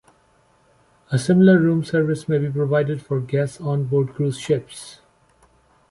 A similar room service may be provided for guests onboard cruise ships.